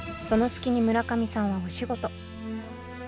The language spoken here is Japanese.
その隙に村上さんはお仕事。